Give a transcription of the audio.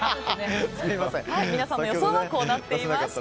皆さんの予想はこうなっていました。